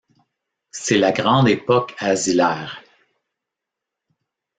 C'est la grande époque asilaire.